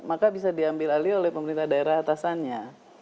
maka bisa diambil alih oleh pemerintah daerah atasannya